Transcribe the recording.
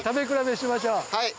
はい！